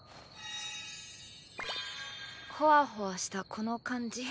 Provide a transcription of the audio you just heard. ホワホワしたこの感じ？